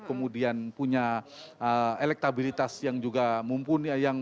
kemudian punya elektabilitas yang juga mumpuni